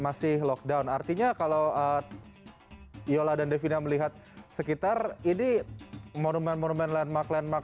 masih lockdown artinya kalau yola dan devina melihat sekitar ini monumen monumen landmark landmark